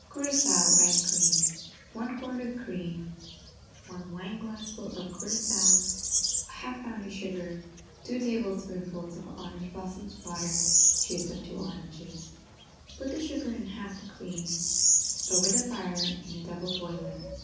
CURAÇAO ICE CREAM 1 quart of cream 1 wineglassful of curaçao 1/2 pound of sugar 2 tablespoonfuls of orange blossoms water Juice of two oranges Put the sugar and half the cream over the fire in a double boiler.